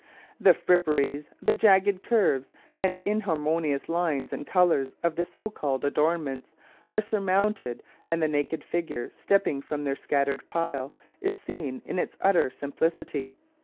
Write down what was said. The fripperies, the jagged curves and in harmonious lines and colours of the so called " adorn ments " are surmounted, and the naked figure step ping from their scattered pile is seen in its utter sim Modesty and Romance ^7 plicity.